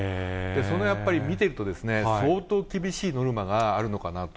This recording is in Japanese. そのやっぱり見てるとですね、相当厳しいノルマがあるのかなと。